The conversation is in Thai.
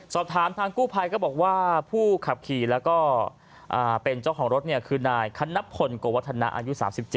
สอบถามทางกู้ภัยก็บอกว่าผู้ขับขี่แล้วก็เป็นเจ้าของรถคือนายคณพลโกวัฒนะอายุ๓๗